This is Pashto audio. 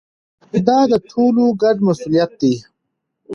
دا د ټولو ګډ مسؤلیت دی.